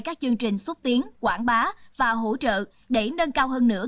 các chương trình xúc tiến quảng bá và hỗ trợ để nâng cao hơn nữa